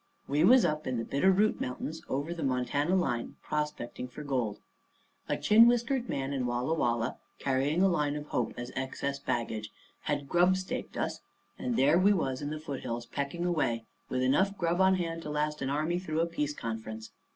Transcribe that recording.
We was up in the Bitter Root Mountains over the Montana line prospecting for gold. A chin whiskered man in Walla Walla, carrying a line of hope as excess baggage, had grubstaked us; and there we was in the foothills pecking away, with enough grub on hand to last an army through a peace conference.